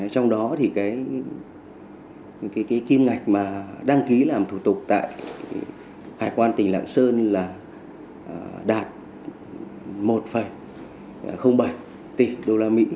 trong đó thì cái kim ngạch mà đăng ký làm thủ tục tại hải quan tỉnh lạng sơn là đạt một bảy tỷ usd